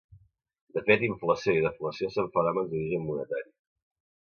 De fet, inflació i deflació són fenòmens d'origen monetari.